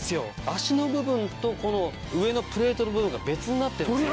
脚の部分とこの上のプレートの部分が別になってるんです。